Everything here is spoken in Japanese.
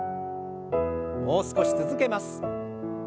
もう少し続けます。